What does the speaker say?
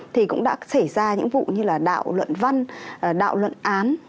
thì cũng đã xảy ra những vụ như là đạo luận văn đạo luận án